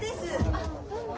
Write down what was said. あっどうも。